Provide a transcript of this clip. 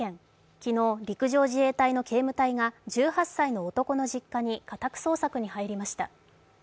昨日陸上自衛隊の警務隊が１８歳の男の自宅に家宅捜索に入りました。